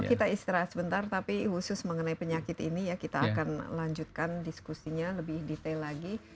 kita istirahat sebentar tapi khusus mengenai penyakit ini ya kita akan lanjutkan diskusinya lebih detail lagi